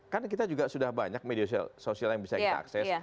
kan kita juga sudah banyak media sosial yang bisa kita akses